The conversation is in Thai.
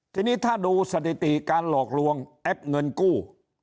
ทีนี้ถ้าดูสถิติการหลอกลวงแอปเงินกู้